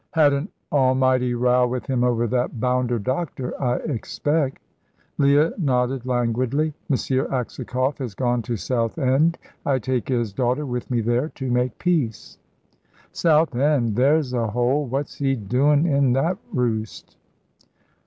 "Had an almighty row with him over that bounder doctor, I expect." Leah nodded languidly. "M. Aksakoff has gone to Southend. I take his daughter with me there, to make peace." "Southend? There's a hole! What's he doin' in that roost?"